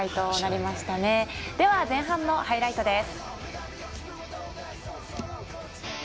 では前半のハイライトです。